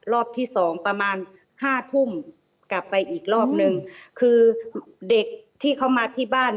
รอบที่สองประมาณห้าทุ่มกลับไปอีกรอบนึงคือเด็กที่เขามาที่บ้าน